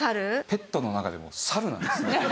ペットの中でもサルなんですね。